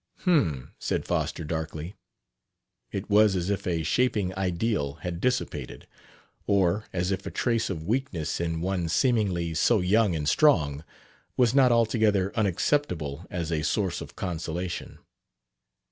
"Hum!" said Foster darkly. It was as if a shaping ideal had dissipated. Or as if a trace of weakness in one seemingly so young and strong was not altogether unacceptable as a source of consolation.